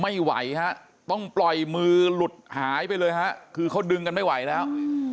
ไม่ไหวฮะต้องปล่อยมือหลุดหายไปเลยฮะคือเขาดึงกันไม่ไหวแล้ว